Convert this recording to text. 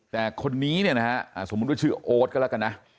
แต่คนนี้สมมติว่าชื่อโอ๊ตก็แล้วกันนะ